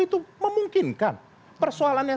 itu memungkinkan persoalannya